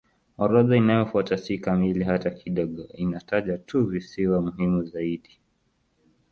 Orodha inayofuata si kamili hata kidogo; inataja tu visiwa muhimu zaidi.